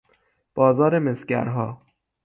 بازار مسگرها